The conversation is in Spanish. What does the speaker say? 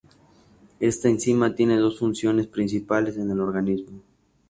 Esta enzima tiene dos funciones principales en el organismo.